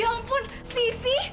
ya ampun sisi